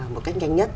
một cách nhanh nhất